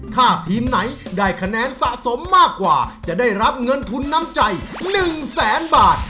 ถ้าทีมไหนได้คะแนนสะสมมากกว่าจะได้รับเงินทุนน้ำใจ๑แสนบาท